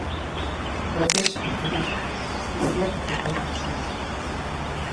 Sokrates Atenasko Justiziak epaitu zuen.